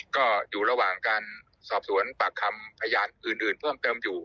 ก็อยู่ระหว่างการสอบสวนปากคำพยานอื่นเพิ่มเติมอยู่